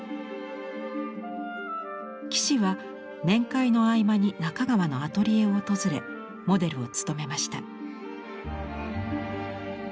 岸は面会の合間に中川のアトリエを訪れモデルを務めました。